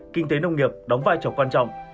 kinh tế nông nghiệp đóng vai trọng quan trọng